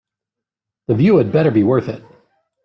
The view had better be worth it.